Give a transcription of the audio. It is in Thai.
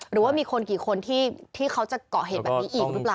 หรือว่ามีคนกี่คนที่เขาจะเกาะเหตุแบบนี้อีกหรือเปล่า